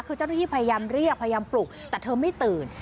คือเจ้าหน้าที่พยายามเรียกพยายามปลุกแต่เธอไม่ตื่น